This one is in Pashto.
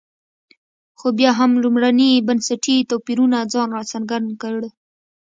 خو بیا هم لومړني بنسټي توپیرونو ځان راڅرګند کړ.